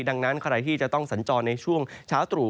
ดังนั้นใครที่จะต้องสัญจรในช่วงเช้าตรู่